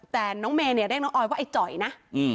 แต่น้องเมย์เนี่ยเรียกน้องออยว่าไอ้จ่อยนะ